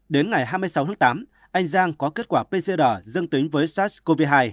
đến ngày hai mươi sáu tháng tám anh giang có kết quả pcr dương tính với sars cov hai